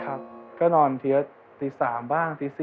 ครับก็นอนทีละตี๓บ้างตี๔